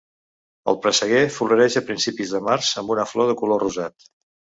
El presseguer floreix a principis de març amb una flor de color rosat.